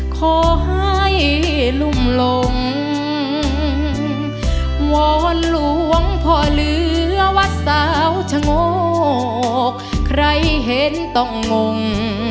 ขอให้ลุ่มลงวอนหลวงพ่อเหลือวัดสาวชะโงกใครเห็นต้องงง